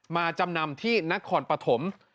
จำนำที่นครปฐม